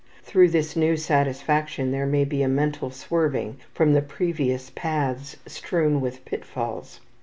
Through this new satisfaction there may be a mental swerving from the previous paths strewn with pitfalls.